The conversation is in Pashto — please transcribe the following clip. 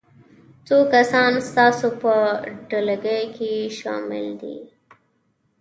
څو کسان ستاسو په ډلګي کې شامل دي؟